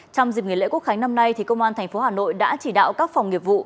trong dịp nghỉ lễ quốc khánh năm nay công an tp hà nội đã chỉ đạo các phòng nghiệp vụ